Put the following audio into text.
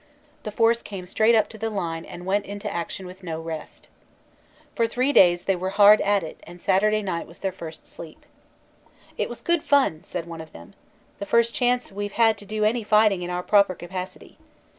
The Force came straight up to the line and went into action with no rest. For three days they were hard at it and Saturday night was their first sleep. "It was good fun," said one of them. "The first chance we ve had to do any fighting in our proper capacity.